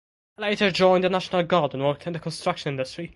He later joined the National Guard and worked in the construction industry.